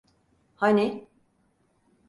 Hani?